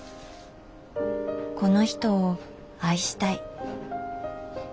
「この人を愛したい」。